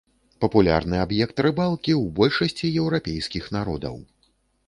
Папулярны аб'ект рыбалкі ў большасці еўрапейскіх народаў.